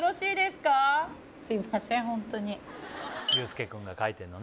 すいません